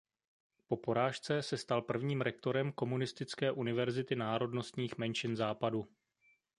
Po porážce se stal prvním rektorem Komunistické univerzity národnostních menšin Západu.